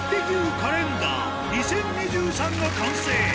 カレンダー２０２３が完成。